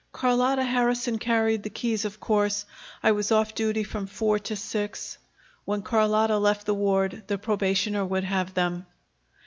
"Carlotta Harrison carried the keys, of course. I was off duty from four to six. When Carlotta left the ward, the probationer would have them."